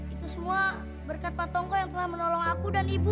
itu semua berkat pak tongko yang telah menolong aku dan ibu